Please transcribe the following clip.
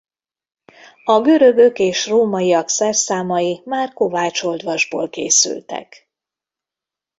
A görögök és rómaiak szerszámai már kovácsoltvasból készültek.